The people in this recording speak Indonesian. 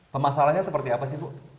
pemasalannya seperti apa sih bu